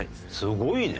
すごいね。